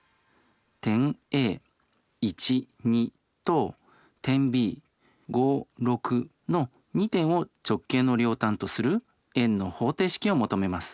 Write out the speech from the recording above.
点Ａと点Ｂの２点を直径の両端とする円の方程式を求めます。